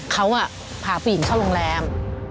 เขาพาผู้หญิงเข้าโรงแรม